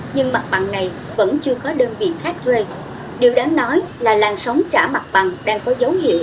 nhưng mặt bằng này vẫn chưa có đơn vị khác thuê điều đáng nói là làng sóng trả mặt bằng đang có dấu hiệu